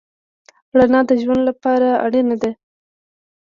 رڼا د ژوند لپاره اړینه ده.